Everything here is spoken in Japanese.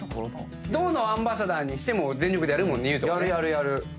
どこのアンバサダーにしても全力でやるもんね裕翔はね。